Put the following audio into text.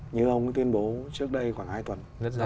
như ông ấy tuyên bố trước đây khoảng hai tuần